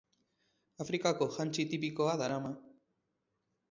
Afrikako jantzi tipikoa darama.